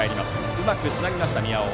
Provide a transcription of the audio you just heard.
うまくつなぎました、宮尾。